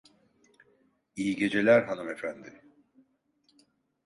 İyi geceler hanımefendi.